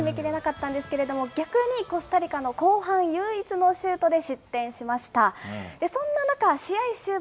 そんな中、なかなか決めきれなかったんですけれども、逆にコスタリカの後半唯一のシュートで失点しました。